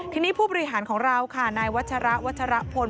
ทีนี้ผู้บริหารของเราค่ะนายวัชระวัชรพล